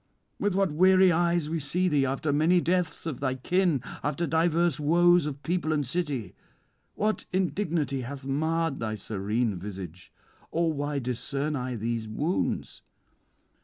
with what weary eyes we see thee, after many deaths of thy kin, after divers woes of people and city! What indignity hath marred thy serene visage? or why discern I these wounds?"